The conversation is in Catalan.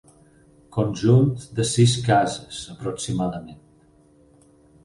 Conjunt de sis cases aproximadament.